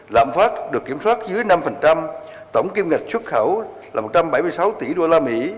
lãm phát được kiểm soát dưới năm tổng kim ngạch xuất khẩu là một trăm bảy mươi sáu tỷ usd